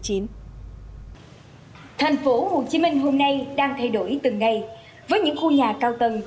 thành phố hồ chí minh hôm nay đang thay đổi từng ngày với những khu nhà cao tầng